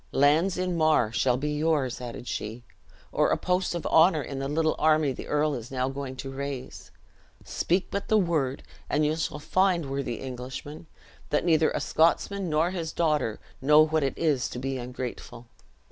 "Lands in Mar shall be yours," added she, "or a post of honor in the little army the earl is now going to raise. Speak but the word, and you shall find, worthy Englishman, that neither a Scotsman, nor his daughter, know what it is to be ungrateful."